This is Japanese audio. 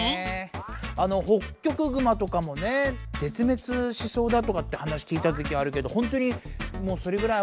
ホッキョクグマとかもね絶めつしそうだとかって話聞いたときあるけどほんとにそれぐらい危ないのかねぇ。